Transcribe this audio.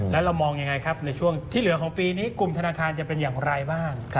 แล้วเรามองยังไงครับในช่วงที่เหลือของปีนี้กลุ่มธนาคารจะเป็นอย่างไรบ้าง